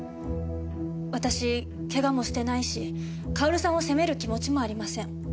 私怪我もしてないしかおるさんを責める気持ちもありません。